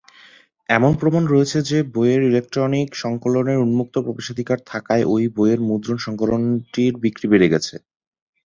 এমন প্রমাণ রয়েছে যে, বইয়ের ইলেকট্রনিক সংস্করণে উন্মুক্ত প্রবেশাধিকার থাকায় ঐ বইয়ের মুদ্রণ সংস্করণটির বিক্রি বেড়ে গেছে।